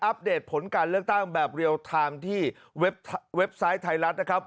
เดตผลการเลือกตั้งแบบเรียลไทม์ที่เว็บไซต์ไทยรัฐนะครับ